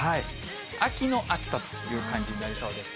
秋の暑さという感じになりそうです。